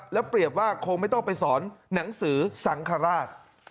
แล้วเปรียบว่าคงไม่ต้องไปสอนหนังสือสังฆราช